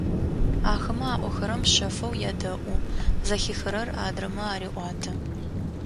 Ахэмэ аӏохэрэм шъэфэу ядэӏу, зэхихырэр адрэмэ ареӏуатэ.